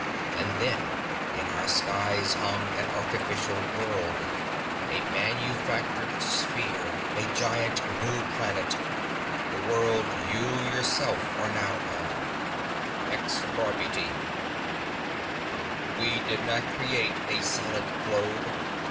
And then in our skies hung an artificial world, a manufactured sphere, a giant new planet, the world you yourself are now on Xlarbti! "We did not create a solid globe.